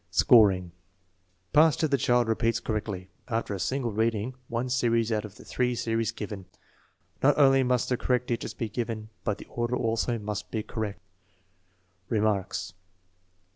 Scoring. Passed if the child repeats correctly, after a single reading, one series out of the three series given. Not only must the correct digits be given, but the order also must be correct. Remarks.